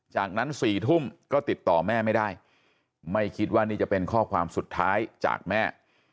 จากนั้น๔ทุ่มก็ติดต่อแม่ไม่ได้ไม่คิดว่านี่จะเป็นข้อความสุดท้ายจากแม่